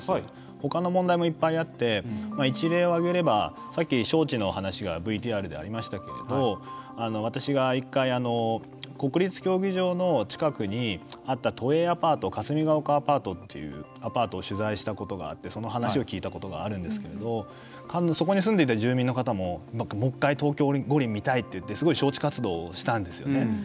ほかの問題もいっぱいあって一例を挙げればさっき招致の話がＶＴＲでありましたけれど私が１回国立競技場の近くにあった都営アパート霞ヶ丘アパートというアパートを取材したことがあってその話を聞いたことがあるんですけどそこに住んでいた住民の方ももう１回東京五輪見たいっていってすごい招致活動したんですよね。